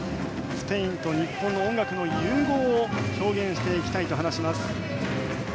スペインと日本の音楽の融合を表現していきたいと話します。